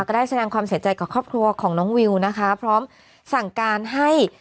ก็ได้แสดงความเสียใจกับครอบครัวของน้องวิวนะคะพร้อมสั่งการให้